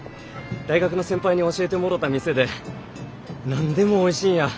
大学の先輩に教えてもろた店で何でもおいしいんや。